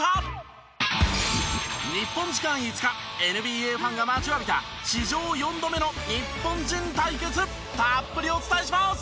日本時間５日ＮＢＡファンが待ちわびた史上４度目の日本人対決たっぷりお伝えします！